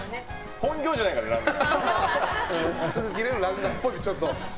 本業じゃないからねランナー。